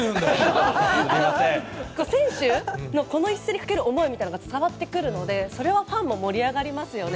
選手の、この一戦にかける思いみたいなものが伝わってくるのでそれはファンも盛り上がりますよね。